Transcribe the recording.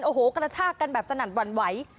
โอ้โหกระชากกันแบบสนั่นหวั่นไหว